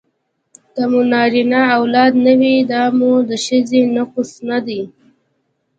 که مو نرینه اولاد نه وي دا مو د ښځې نقص نه دی